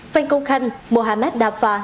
phan công khanh mohamed afar